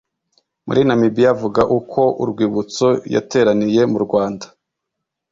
muri Namibiya avuga uko Urwibutso yateraniye murwanda